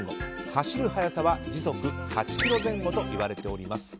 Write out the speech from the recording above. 走る速さは時速８キロ前後といわれております。